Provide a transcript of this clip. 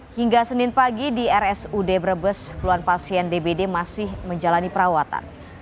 hingga senin pagi di rsud brebes puluhan pasien dbd masih menjalani perawatan